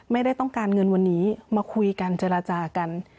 ไม่ได้ต้องการเงินวันนี้มาคุยกันเจรจากัน